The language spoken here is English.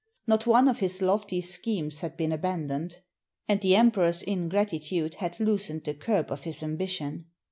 Not one of his lofty schemes had been abandoned ; and the Emperor's ingratitude had loosened the curb of his ambition.